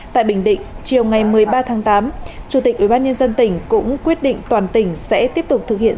tại bình định chiều ngày một mươi ba tháng tám chủ tịch ubnd tỉnh cũng quyết định toàn tỉnh sẽ tiếp tục thực hiện